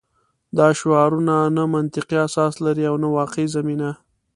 دا شعارونه نه منطقي اساس لري او نه واقعي زمینه